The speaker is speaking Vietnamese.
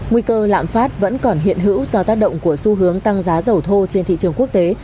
nguy cơ lạm phát vẫn còn hiện hữu do tác động của xu hướng tăng giá dầu thô trên thị trường quốc tế